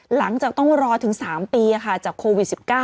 หลังจากต้องรอถึง๓ปีจากโควิด๑๙